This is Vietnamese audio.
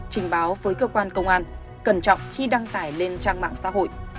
trình báo với cơ quan công an cẩn trọng khi đăng tải lên trang mạng xã hội